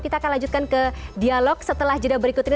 kita akan lanjutkan ke dialog setelah jeda berikut ini